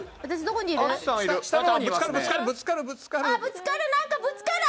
ぶつかる、ぶつかる。